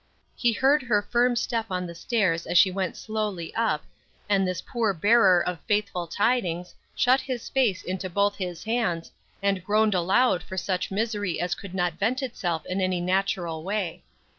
He heard her firm step on the stairs as she went slowly up; and this poor bearer of faithful tidings shut his face into both his hands and groaned aloud for such misery as could not vent itself in any natural way.